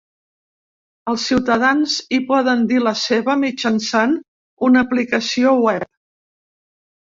Els ciutadans hi poden dir la seva mitjançant una aplicació web.